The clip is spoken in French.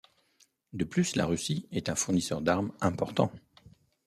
De plus, la Russie est un fournisseur d'armes important.